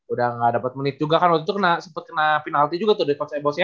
udah gak dapet menit juga kan waktu itu sempet kena penalti juga tuh dari coach ebos ya